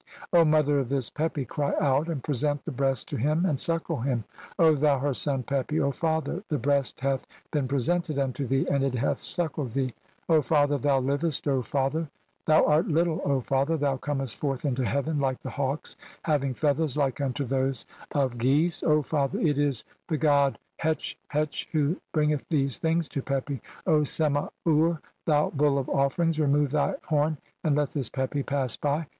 O mother "of this Pepi, cry out, and present the breast to him "and suckle him. O thou her son, Pepi, O father, the "breast hath been presented unto thee and it hath "suckled thee. O father, thou livest, O father ; thou "art little, O father ; thou comest forth into heaven "like the hawks having feathers like unto those of THE EL YS/AN FIELDS OR HEA VEN. CXLI "geese. O father, it is the god Hetch hetch who bring "eth these things to Pepi. O Sema ur, thou bull of "offerings, remove thy horn and let this Pepi pass by.